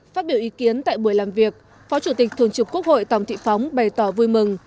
phát biểu ý kiến tại buổi làm việc phó chủ tịch thường trực quốc hội tòng thị phóng bày tỏ vui mừng